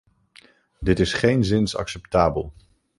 Dit is geenszins acceptabel.